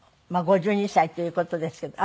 ５２歳という事ですけど。